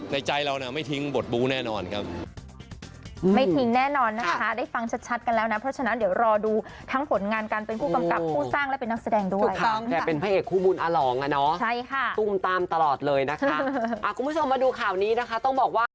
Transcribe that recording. ใจเราไม่ทิ้งบทบู้แน่นอนครับ